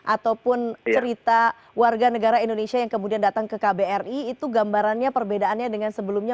ataupun cerita warga negara indonesia yang kemudian datang ke kbri itu gambarannya perbedaannya dengan sebelumnya